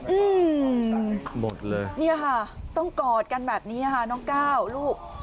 อืมหมดเลยเนี่ยค่ะต้องกอดกันแบบนี้ค่ะน้องก้าวลูก